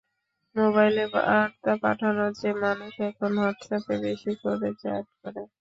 মোবাইলে বার্তা পাঠানোর চেয়ে মানুষ এখন হোয়াটসঅ্যাপে বেশি করে চ্যাট করে।